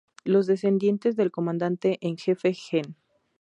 Los descendientes del Comandante en Jefe Gen.